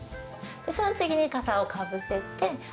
そん次に傘をかぶせて。